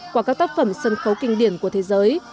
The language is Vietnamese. qua các tác phẩm sân khấu kinh điển của thế giới